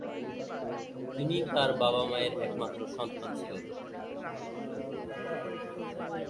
তিনি তার বাবা-মায়ের একমাত্র সন্তান ছিলেন।